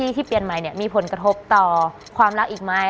ที่เปลี่ยนใหม่เนี่ยมีผลกระทบต่อความรักอีกไหม